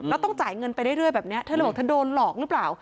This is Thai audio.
แล้วต้องจ่ายเงินไปได้ด้วยแบบเนี้ยเธอบอกถ้าโดนหลอกหรือเปล่า